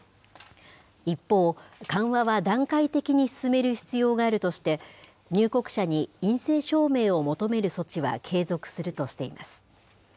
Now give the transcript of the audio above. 一方、緩和は段階的に進める必要があるとして、入国者に陰性証明を求める措置は継続するとしています。